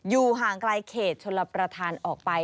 อยู่ห่างไกลเขตชมพระธาตุออกไป